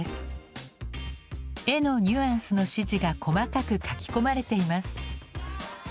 絵のニュアンスの指示が細かく描き込まれています。